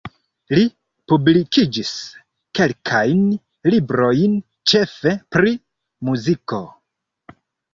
Li publikigis kelkajn librojn ĉefe pri muziko.